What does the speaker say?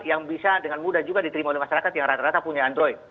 yang bisa dengan mudah juga diterima oleh masyarakat yang rata rata punya android